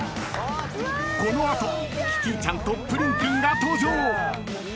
［この後キティちゃんとプリンくんが登場！］